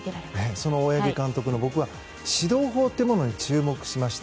その大八木監督の僕は指導法というものに注目しました。